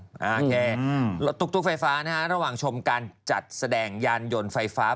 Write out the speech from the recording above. โอเครถตุ๊กไฟฟ้านะฮะระหว่างชมการจัดแสดงยานยนต์ไฟฟ้า